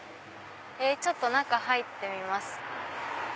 ちょっと中入ってみます。